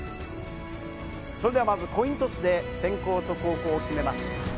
まずコイントスで先攻・後攻を決めます。